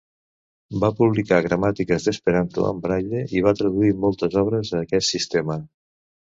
Va publicar gramàtiques d'esperanto en braille i va traduir moltes obres a aquest sistema.